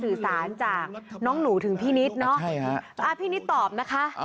เอ้าพี่นิดตอบนะคะ